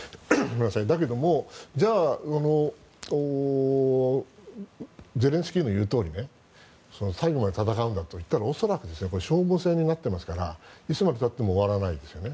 だけど、じゃあゼレンスキーの言うとおりに最後まで戦うんだと言ったら恐らく消耗戦になっていますからいつまでたっても終わらないですよね。